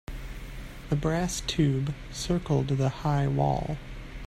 The brass tube circled the high wall.